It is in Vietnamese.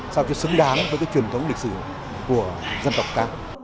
sao cho xứng đáng với truyền thống lịch sử của dân tộc